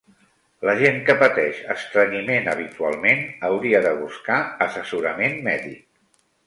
La gent que pateix estrenyiment habitualment hauria de buscar assessorament mèdic.